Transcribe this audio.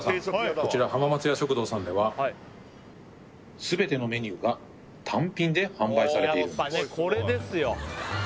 こちら浜松屋食堂さんでは全てのメニューが単品で販売されているんです